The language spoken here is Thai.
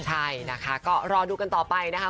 ใช่นะคะก็รอดูกันต่อไปนะคะ